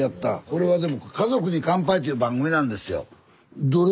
これはでも「家族に乾杯」っていう番組なんですよ。